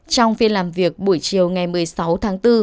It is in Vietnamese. trong phiên làm việc buổi chiều ngày một mươi sáu tháng bốn